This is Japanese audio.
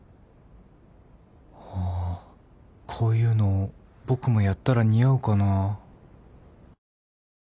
あーこういうの僕もやったら似合うかな